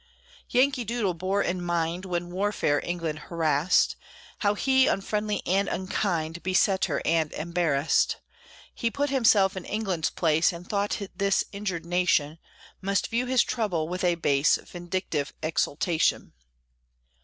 Yankee Doodle bore in mind, When warfare England harassed, How he, unfriendly and unkind, Beset her and embarrassed; He put himself in England's place, And thought this injured nation Must view his trouble with a base Vindictive exultation.